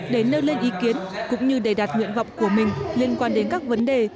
để nêu lên ý kiến cũng như đề đạt nguyện vọng của mình liên quan đến các vấn đề